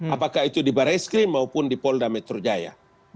apakah itu di barai skrim maupun di polda metro jaya